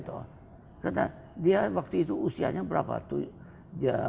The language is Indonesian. karena dia waktu itu usianya berapa